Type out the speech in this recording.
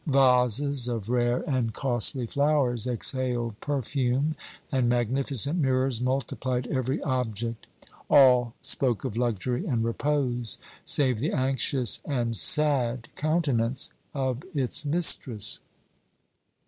Vases of rare and costly flowers exhaled perfume, and magnificent mirrors multiplied every object. All spoke of luxury and repose, save the anxious and sad countenance of its mistress.